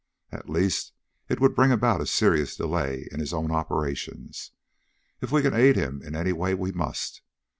At least it would bring about a serious delay in his own operations. If we can aid him in any way, we must.